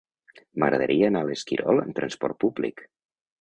M'agradaria anar a l'Esquirol amb trasport públic.